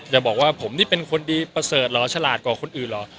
อย่าบอกว่าผมนี่เป็นคนดีประเสริฐเหรอฉลาดกว่าคนอื่นเหรอ